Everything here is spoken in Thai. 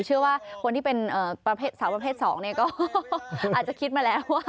เชื่อว่าสาวประเภทสองเนี่ยก็อาจจะคิดมาแล้วว่า